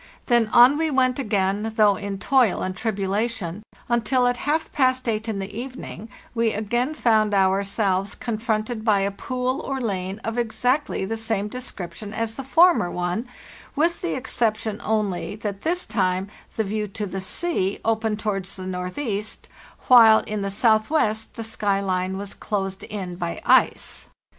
Then on we went again, though in toil and tribulation, until at half past eight in the evening we again found ourselves con fronted by a pool or lane of exactly the same description as the former one, with the exception only that this time the view to the 'sea' opened towards the northeast, while in the southwest the sky line was closed in by ice.